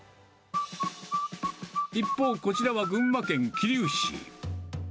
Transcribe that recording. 一方、こちらは群馬県桐生市。